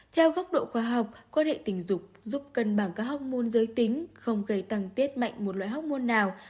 theo góc độ khoa học quan hệ tình dục giúp cân bằng các học môn giới tính không gây tăng tiết mạnh một loại hóc môn nào